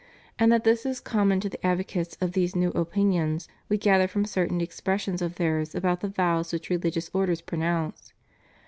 And that this is common to the advocates of these new opinions we gather from certain expressions of theirs about the vows which religious orders pronounce.